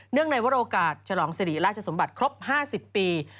ในวรโอกาสฉลองสิริราชสมบัติครบ๕๐ปี